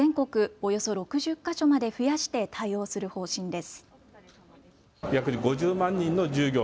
およそ６０か所まで増やして対応する方針です。